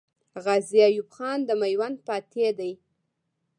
غازي ایوب خان د میوند فاتح دی.